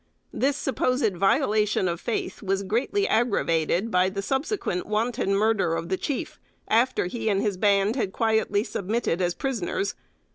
This supposed violation of faith was greatly aggravated by the subsequent wanton murder of the chief, after he and his band had quietly submitted as prisoners.